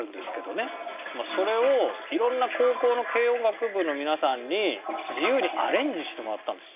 それをいろんな高校の軽音楽部の皆さんに自由にアレンジしてもらったんですって。